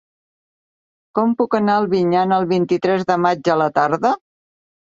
Com puc anar a Albinyana el vint-i-tres de maig a la tarda?